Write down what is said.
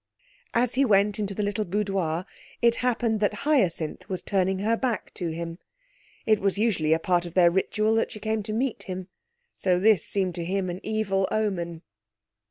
As he went into the little boudoir it happened that Hyacinth was turning her back to him. It was usually a part of their ritual that she came to meet him. So this seemed to him an evil omen.